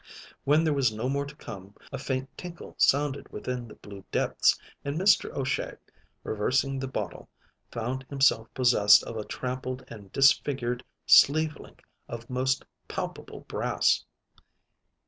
When there was no more to come, a faint tinkle sounded within the blue depths, and Mr. O'Shea, reversing the bottle, found himself possessed of a trampled and disfigured sleeve link of most palpable brass.